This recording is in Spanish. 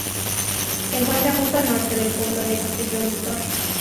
Se encuentra justo al norte del pueblo de Castellón de Tor.